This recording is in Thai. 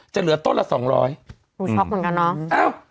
จะเหลือต้นละสองร้อยยอบดูต่อกันเนอะอ้าว